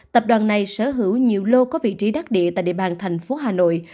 tập đoàn này sở hữu nhiều lô có vị trí đắc địa tại địa bàn thành phố hà nội